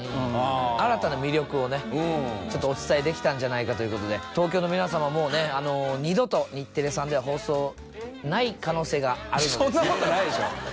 新たな魅力をお伝えできたんじゃないかということで東京の皆様もうね二度と日テレさんでは放送ない可能性があるので。